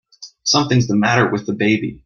Something's the matter with the baby!